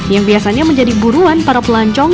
yang biasanya menjadi buruan para pelancong dan pelancong